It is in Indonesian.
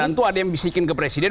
tentu ada yang bisikin ke presiden